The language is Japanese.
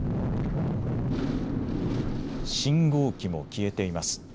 信号機も消えています。